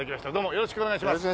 よろしくお願いします。